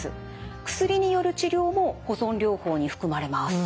薬による治療も保存療法に含まれます。